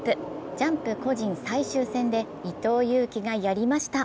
ジャンプ個人最終戦で伊藤有希がやりました。